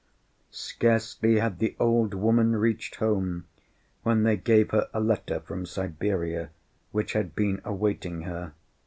Scarcely had the old woman reached home when they gave her a letter from Siberia which had been awaiting her.